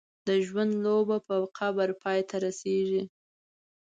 د ژوند لوبه په قبر پای ته رسېږي.